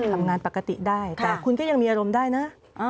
ทำงานปกติได้แต่คุณก็ยังมีอารมณ์ได้นะ